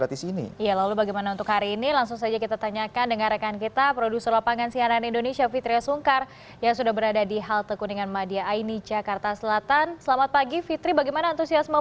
pembelajaran penumpang terlihat tidak bergantung